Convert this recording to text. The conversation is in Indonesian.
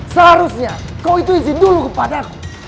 seharusnya kau ialah yang memberi izin kepada aku